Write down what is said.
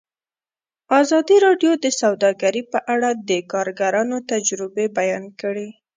ازادي راډیو د سوداګري په اړه د کارګرانو تجربې بیان کړي.